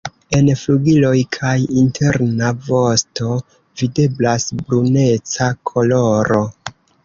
En flugiloj kaj interna vosto videblas bruneca koloro.